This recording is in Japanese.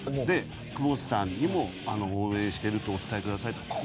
で「久保田さんにも応援してるとお伝えください」と。